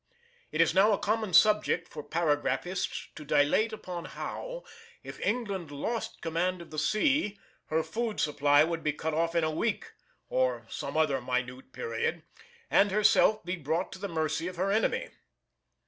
It is now a common subject for paragraphists to dilate upon how, if England lost command of the sea, her food supply would be cut off in a week (or some other minute period) and herself be brought to the mercy of her enemy.